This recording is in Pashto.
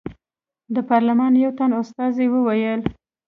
د پارلمان یو تن استازي وویل.